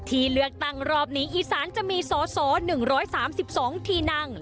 ที่เลือกตั้งรอบนี้อีสานจะมีสอสอ๑๓๒ที่นั่ง